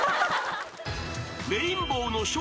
［レインボーの笑